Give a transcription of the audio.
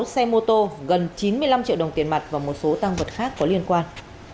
một xe mô tô gần chín mươi năm triệu đồng tiền mặt và một số tăng vật khác có liên quan